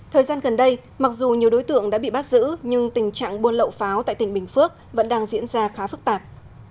thời gian gần đây mặc dù nhiều đối tượng đã bị bắt giữ nhưng tình trạng buôn lậu pháo tại tỉnh bình phước vẫn đang diễn ra khá phức tạp